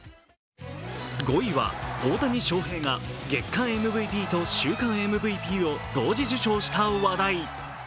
５位は、大谷翔平が月間ＭＶＰと週間ＭＶＰを同時受賞した話題。